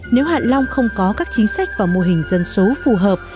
nếu không có các chính sách và mô hình dân số phù hợp